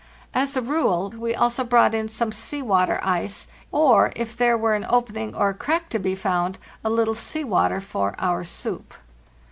As a rule, we also brought in some sea water ice, or, if there were an opening or a crack to be found, a little sea water for our soup.